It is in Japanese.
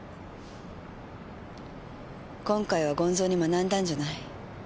今回はゴンゾウに学んだんじゃない？